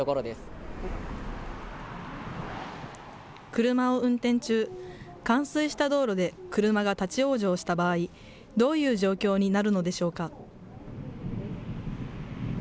車を運転中、冠水した道路で車が立往生した場合、どういう状況になるのでしょうか。